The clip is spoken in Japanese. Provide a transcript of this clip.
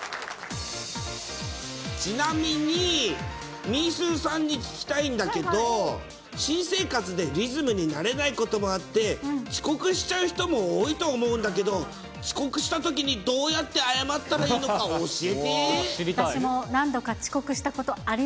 ちなみに、みーすーさんに聞きたいんだけど、新生活でリズムに慣れないこともあって、遅刻しちゃう人も多いと思うんだけど、遅刻したときにどうやって私も何度か遅刻したことあり